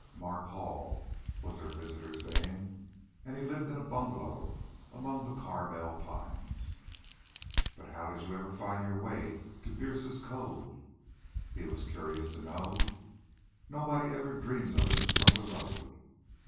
Mark Hall was their visitor's name, and he lived in a bungalow among the Carmel pines. "But how did you ever find your way to Bierce's Cove?" he was curious to know. "Nobody ever dreams of it from the road."